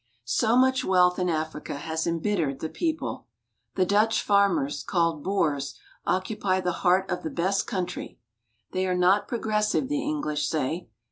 So much wealth in Africa has embittered the people. The Dutch farmers, called boers, occupy the heart of the best country. They are not progressive, the English say.